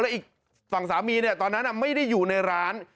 แล้วอีกฝั่งสามีเนี่ยตอนนั้นน่ะไม่ได้อยู่ในร้าน